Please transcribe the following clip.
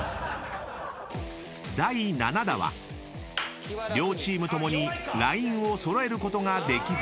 ［第７打は両チーム共にラインを揃えることができず］